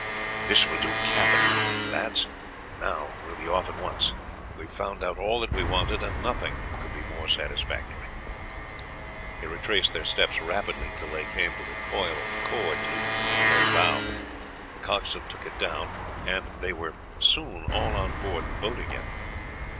"This will do capitally, lads. Now we will be off at once; we have found out all that we wanted, and nothing could be more satisfactory." They retraced their steps rapidly till they came to the coil of cord looped on a low bough. The coxswain took it down, and they were soon all on board the boat again.